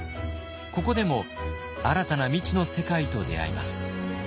ここでも新たな未知の世界と出会います。